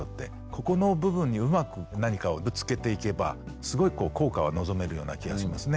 ここの部分にうまく何かをぶつけていけばすごいこう効果は望めるような気がしますね。